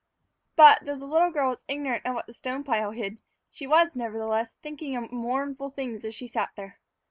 But, though the little girl was ignorant of what the stone pile hid, she was, nevertheless, thinking of mournful things as she sat there.